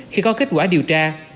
khi có kết quả điều tra